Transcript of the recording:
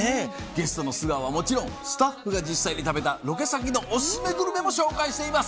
ゲストの素顔はもちろんスタッフが実際に食べたロケ先のオススメグルメも紹介しています。